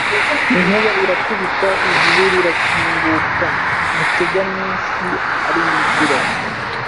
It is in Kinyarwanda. inkuba irakubita ijuru rirakinguka Rutegaminsi arinjira